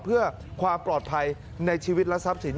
เพื่อความปลอดภัยในชีวิตและทรัพย์สิน